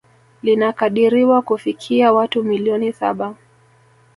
Linakadiriwa kufikia watu milioni saba